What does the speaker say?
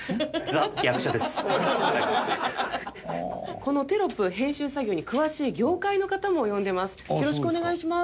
このテロップの編集作業に詳しい業界の方も呼んでいます。